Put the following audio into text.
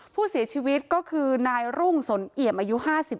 ผู้เสียชีวิตก็คือนายรุ่งสนเอี่ยมอายุ๕๓